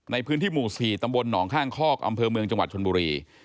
ในพื้นที่หมู่๔ตำบลหนองข้างคอกอำเภอเมืองจังหวัดชนบุรี